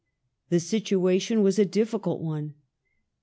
The situation was a difficult one.